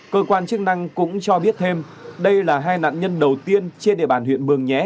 cơ quan chức năng cũng cho biết thêm đây là hai nạn nhân đầu tiên trên địa bàn huyện mường nhé